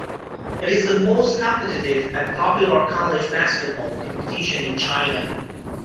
It is the most competitive and popular college basketball competition in China.